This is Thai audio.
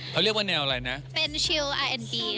เขาเรียกว่าแนวอะไรนะเป็นค่ะก็คือเราใช้เครื่องดนตรีน้อยน้อย